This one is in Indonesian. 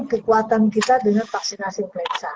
kekuatan kita dengan vaksinasi influenza